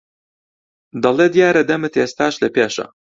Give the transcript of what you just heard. دەڵێ دیارە دەمت ئێستاش لەپێشە